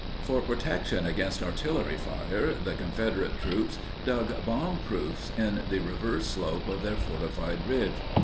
] For protection against artillery fire, the Confederate troops dug bombproofs in the reverse slope of their fortified ridge.